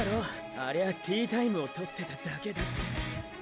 ありゃあティータイムを取ってただけだって。